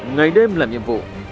ngày đêm làm nhiệm vụ